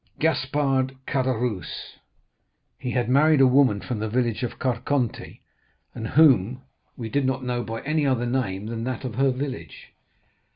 "Gaspard Caderousse; he had married a woman from the village of Carconte, and whom we did not know by any other name than that of her village.